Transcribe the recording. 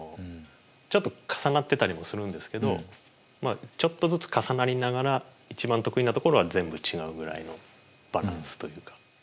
ちょっと重なってたりもするんですけどちょっとずつ重なりながら一番得意なところは全部違うぐらいのバランスというか。